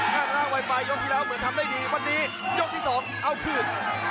ข้างล่างไวปลายยกที่แล้วเหมือนทำได้ดีวันนี้ยกที่สองเอาคืน